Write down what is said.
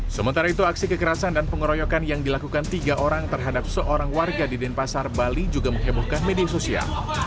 sementara itu aksi kekerasan dan pengeroyokan yang dilakukan tiga orang terhadap seorang warga di denpasar bali juga menghebohkan media sosial